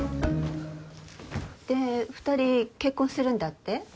で２人結婚するんだって？